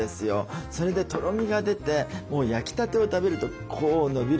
それでとろみが出て焼きたてを食べるとこう伸びる感じ。